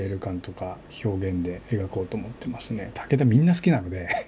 みんな好きなので。